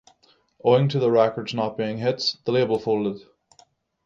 Owing to the records not being hits, the label folded.